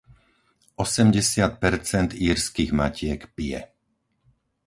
Osemdesiat percent írskych matiek pije.